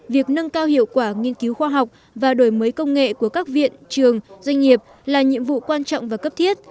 việc nâng cao hiệu quả nghiên cứu khoa học và đổi mới công nghệ của các viện trường doanh nghiệp là nhiệm vụ quan trọng và cấp thiết